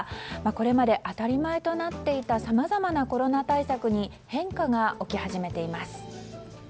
これまで当たり前となっていたさまざまなコロナ対策に変化が起き始めています。